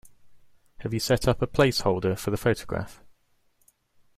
Have you set up a placeholder for the photograph?